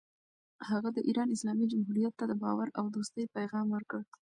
هغه د ایران اسلامي جمهوریت ته د باور او دوستۍ پیغام ورکړ.